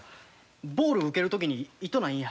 ボール受ける時に痛ないんや。